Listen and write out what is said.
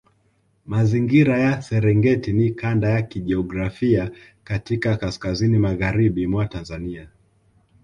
Mazingira ya Serengeti ni kanda ya kijiografia katika kaskazini magharibi mwa Tanzania